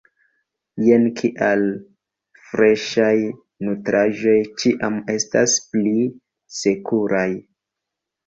Jen kial freŝaj nutraĵoj ĉiam estas pli sekuraj.